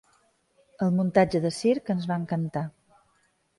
El muntatge de circ ens va encantar.